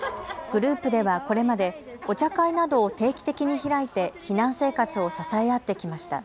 グループではこれまでお茶会などを定期的に開いて避難生活を支え合ってきました。